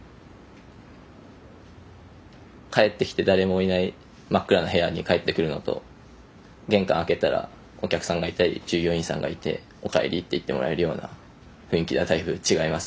帰ってきて誰もいない真っ暗な部屋に帰ってくるのと玄関開けたらお客さんがいたり従業員さんがいて「おかえり」って言ってもらえるような雰囲気はだいぶ違いますね。